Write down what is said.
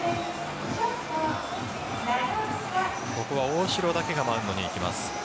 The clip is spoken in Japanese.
ここは大城だけがマウンドに行きます。